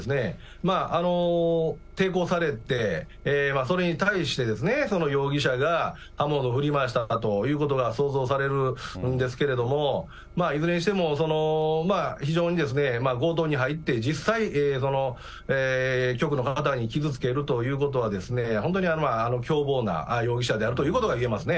まあ、抵抗されて、それに対してその容疑者が刃物を振り回したのかということが想像されるんですけれども、いずれにしても非常に強盗に入って、実際、局員の方に傷つけるというのは、本当に凶暴な容疑者であるということが言えますね。